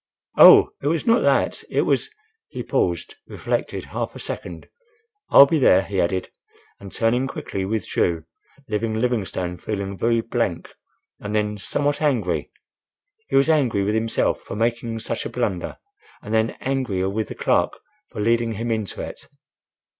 "Oh! it was not that!—It was—" He paused, reflected half a second. "I'll be there," he added, and, turning quickly, withdrew, leaving Livingstone feeling very blank and then, somewhat angry. He was angry with himself for making such a blunder, and then angrier with the clerk for leading him into it.